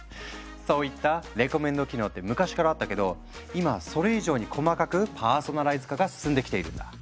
そういったレコメンド機能って昔からあったけど今はそれ以上に細かくパーソナライズ化が進んできているんだ。